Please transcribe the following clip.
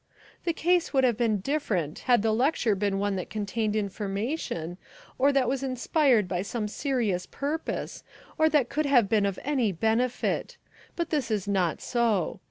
"The case would have been different had the lecture been one that contained information, or that was inspired by some serious purpose, or that could have been of any benefit. But this is not so.